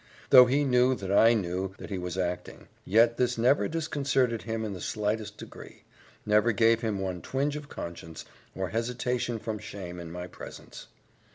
Though he knew that I knew that he was acting, yet this never disconcerted him in the slightest degree never gave him one twinge of conscience, or hesitation from shame, in my presence.